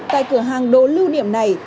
tại cửa hàng đồ lưu niệm này